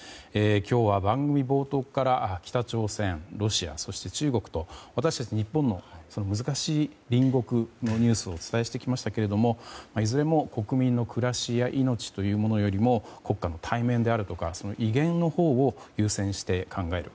今日は番組冒頭から北朝鮮、ロシア、中国と私たち日本の難しい隣国のニュースをお伝えしてきましたがいずれも国民の暮らしや命というよりも国家の体面やその威厳のほうを優先して考える